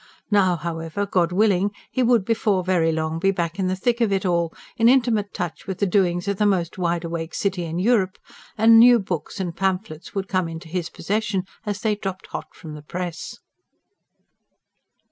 Now, however, God willing, he would before very long be back in the thick of it all, in intimate touch with the doings of the most wide awake city in Europe; and new books and pamphlets would come into his possession as they dropped hot from the press.